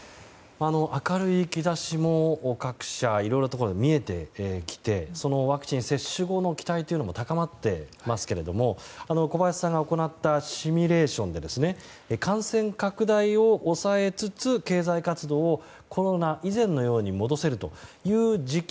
明るい兆しもいろいろと見えてきてワクチン接種後の期待というのも高まっていますけれども小林さんが行ったシミュレーションで感染拡大を抑えつつ経済活動をコロナ以前のように戻せるという時期